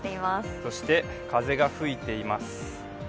そして風が吹いています。